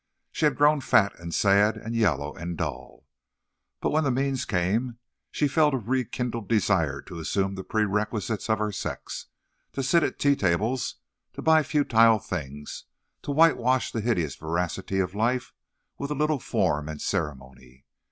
She had grown fat and sad and yellow and dull. But when the means came, she felt a rekindled desire to assume the perquisites of her sex—to sit at tea tables; to buy futile things; to whitewash the hideous veracity of life with a little form and ceremony.